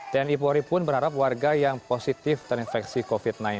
tni polri pun berharap warga yang positif terinfeksi covid sembilan belas